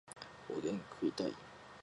おでん食いたい